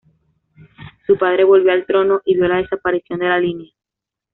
Su padre volvió al trono y vio la desaparición de la línea.